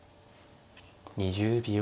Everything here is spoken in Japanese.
２０秒。